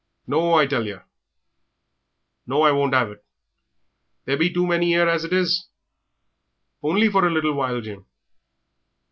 "No, I tell yer. No, I won't 'ave it! There be too many 'ere as it is." "Only a little while, Jim."